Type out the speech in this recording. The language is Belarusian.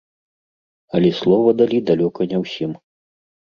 Але слова далі далёка не ўсім.